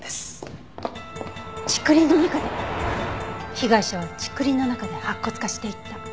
被害者は竹林の中で白骨化していった？